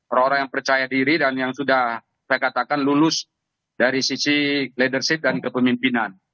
orang orang yang percaya diri dan yang sudah saya katakan lulus dari sisi leadership dan kepemimpinan